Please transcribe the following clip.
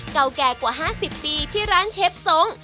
เก่าแก่กว่า๕๐ปีที่ร้านเชฟทรง